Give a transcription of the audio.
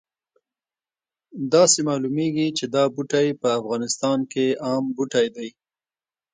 داسې معلومیږي چې دا بوټی په افغانستان کې عام بوټی دی